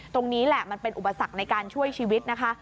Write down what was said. ตรงนี้แหละมันเป็นอุปสรรคในการช่วยชีวิตนะคะ